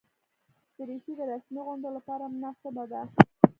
دریشي د رسمي غونډو لپاره مناسبه ده.